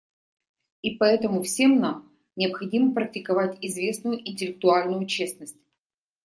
И поэтому всем нам необходимо практиковать известную интеллектуальную честность.